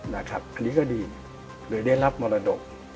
และนี่ก็น่าสีดีเรายังได้รับเหมาะอันดับ